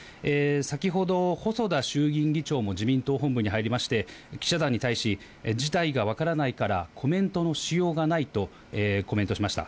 先ほど細田衆議院議長も自民党本部に入りまして、記者団に対し、事態がわからないからコメントのしようがないとコメントしました。